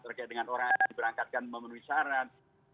terkait dengan orang yang diberangkatkan memenuhi syarat